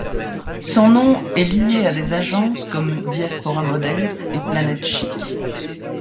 Son nom est lié à des agences comme Diaspora Models, et Planete Chic.